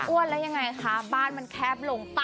แล้วยังไงคะบ้านมันแคบลงป่ะ